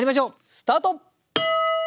スタート！